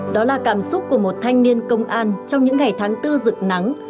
đó là cảm xúc của một thanh niên công an trong những ngày tháng bốn rực nắng